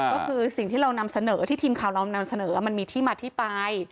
ก็คือสิ่งที่เรานำเสนอที่ทีมข่าวเรานำเสนอมันมีที่มาที่ไป